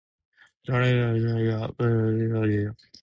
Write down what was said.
During his freshman year, Berg played first base on an undefeated team.